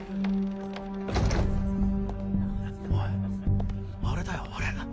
・おいあれだよあれ・